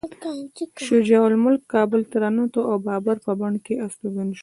شجاع الملک کابل ته راننوت او د بابر په بڼ کې استوګن شو.